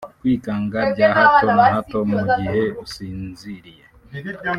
Kwikanga bya hato na hato mu gihe usinziriye